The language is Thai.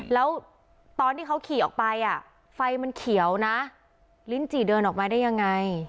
แล้วตอนที่เขาขี่ออกไปไฟมันเขียวนะลิ้นจี่เดินออกมาได้ยังไง